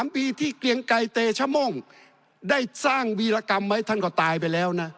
๓ปีที่เกลียงไกรเตชม่องได้สร้างวีรกรรมไว้ท่านก็ตายไปแล้วนะ